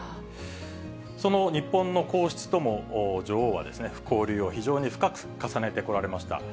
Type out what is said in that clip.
その日本の皇室とも、女王は交流を非常に深く重ねてこられました。